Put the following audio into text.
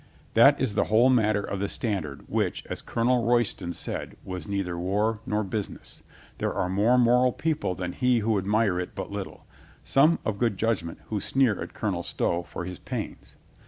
That is the whole matter of the standard, which, as Colonel Royston said, was neither war nor busi ness. There are more moral people than he who admire it but little; some of good judgment who sneer at Colonel Stow for his pains.